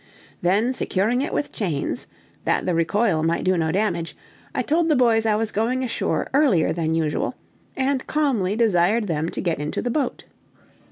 Then securing it with chains, that the recoil might do no damage, I told the boys I was going ashore earlier than usual, and calmly desired them to get into the boat.